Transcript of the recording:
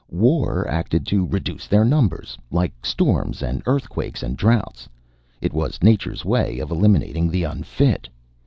War acted to reduce their numbers; like storms and earthquakes and droughts, it was nature's way of eliminating the unfit.